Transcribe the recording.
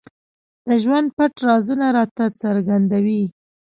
د ژوند پټ رازونه راته څرګندوي.